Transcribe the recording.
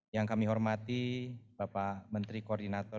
yang kami hormati bapak menteri koordinator